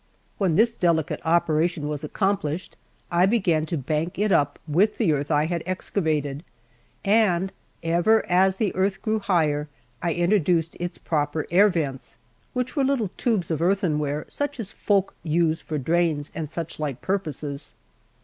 When this delicate operation was accomplished, I began to bank it up with the earth I had excavated; and, ever as the earth grew higher, I introduced its proper air vents, which were little tubes of earthenware, such as folk use for drains and such like purposes.